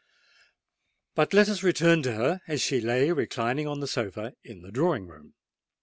But let us return to her, as she lay reclining on the sofa in the drawing room.